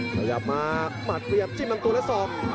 ขยับมาหมาดเปรียบจิ้มทางตัวและสอก